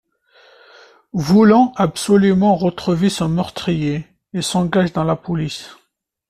Voulant absolument retrouver son meurtrier, il s'engage dans la police.